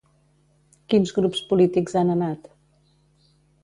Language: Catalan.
Quins grups polítics han anat?